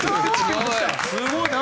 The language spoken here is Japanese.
すごいな。